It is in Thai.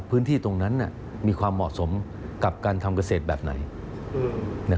พื้นที่ตรงนั้นมีความเหมาะสมกับการทำเกษตรแบบไหน